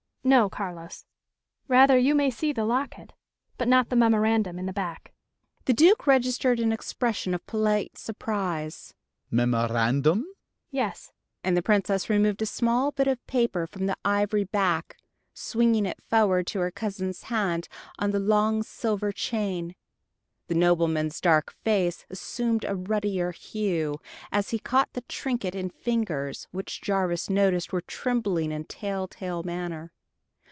"No, Carlos. Rather you may see the locket, but not the memorandum in the back." The Duke registered an expression of polite surprise. "Memorandum?" "Yes," and the Princess removed a small bit of paper from the ivory back, swinging it forward to her cousin's hand, on the long silver chain. The nobleman's dark face assumed a ruddier hue, as he caught the trinket in fingers which Jarvis noticed were trembling in tell tale manner.